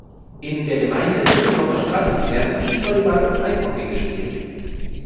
In der Gemeinde Timmendorfer Strand werden Beachvolleyball und Eishockey gespielt.